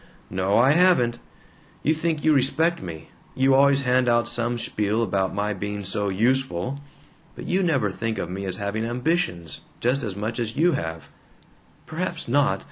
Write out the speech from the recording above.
"No, I haven't. You think you respect me you always hand out some spiel about my being so 'useful.' But you never think of me as having ambitions, just as much as you have " "Perhaps not.